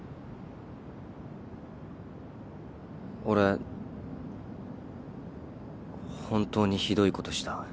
俺本当にひどいことした。